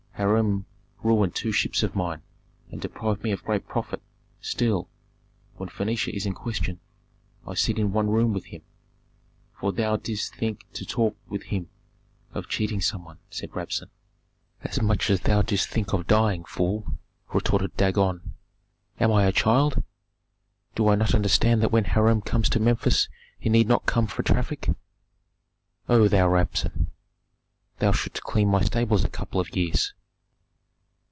Hiram ruined two ships of mine and deprived me of great profit; still, when Phœnicia is in question, I sit in one room with him." "For thou didst think to talk with him of cheating some one," said Rabsun. "As much as thou didst think of dying, fool!" retorted Dagon. "Am I a child? do I not understand that when Hiram comes to Memphis he need not come for traffic? O thou Rabsun! thou shouldst clean my stables a couple of years."